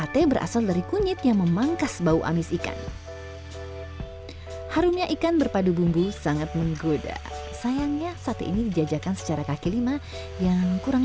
terima kasih mbak